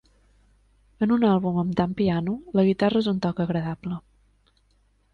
En un àlbum amb tant piano, la guitarra és un toc agradable.